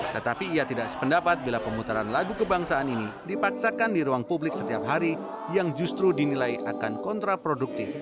tetapi ia tidak sependapat bila pemutaran lagu kebangsaan ini dipaksakan di ruang publik setiap hari yang justru dinilai akan kontraproduktif